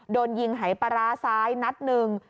โดนยิงหายปลาร้าซ้ายนัดหนึ่ง